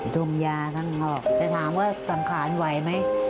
ดมยานั่งออกจะถามว่าสังขารไหวไหม